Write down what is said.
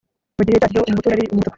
mu gihe cyaryo, umuhutu yari umuhutu